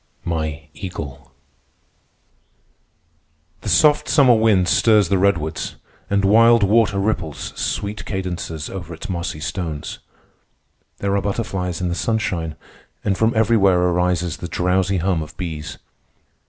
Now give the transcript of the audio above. MY EAGLE The soft summer wind stirs the redwoods, and Wild Water ripples sweet cadences over its mossy stones. There are butterflies in the sunshine, and from everywhere arises the drowsy hum of bees.